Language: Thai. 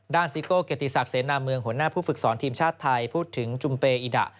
ด้านซิโกเกตตีศาสตร์เศสนามเมืองหัวหน้าผู้ฝึกสอนทีมชาติไทยพูดถึงจุมเปอีดะ